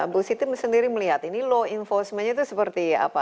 bu siti sendiri melihat ini low enforcementnya itu seperti apa